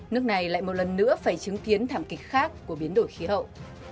nước này lại một lần nữa phải chứng kiến thảm kịch khác của biến đổi khí hậu